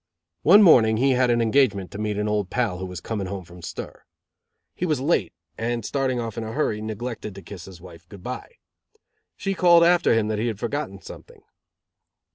One morning he had an engagement to meet an old pal who was coming home from stir. He was late, and starting off in a hurry, neglected to kiss his wife good bye. She called after him that he had forgotten something.